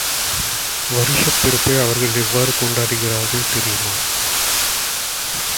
வருஷப் பிறப்பை அவர்கள் எவ்வாறு கொண்டாடுகிறார்கள் தெரியுமா!